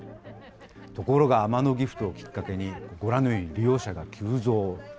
ところが、アマノギフトをきっかけに、ご覧のように利用者が急増。